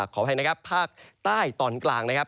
ขออภัยนะครับภาคใต้ตอนกลางนะครับ